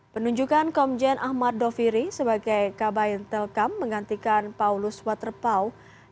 penunjukan komjen ahmad doviri sebagai kabain telkam menggantikan paulus waterpau